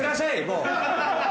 もう。